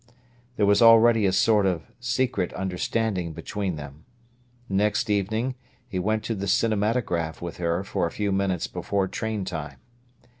There was already a sort of secret understanding between them. The next evening he went to the cinematograph with her for a few minutes before train time.